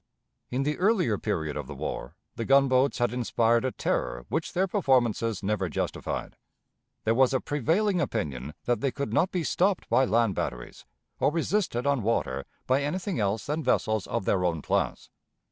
In the earlier period of the war, the gunboats had inspired a terror which their performances never justified. There was a prevailing opinion that they could not be stopped by land batteries, or resisted on water by anything else than vessels of their own class.